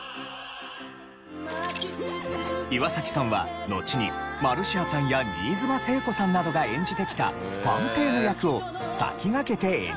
岩崎さんはのちにマルシアさんや新妻聖子さんなどが演じてきたファンテーヌ役を先駆けて演じられました。